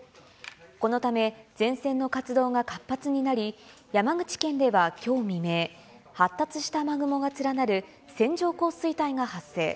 このため、前線の活動が活発になり、山口県ではきょう未明、発達した雨雲が連なる線状降水帯が発生。